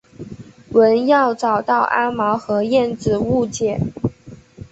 文耀找到阿毛和燕子误解。